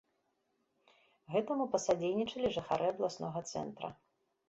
Гэтаму пасадзейнічалі жыхары абласнога цэнтра.